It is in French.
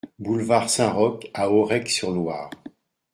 Boulevard Saint-Roch à Aurec-sur-Loire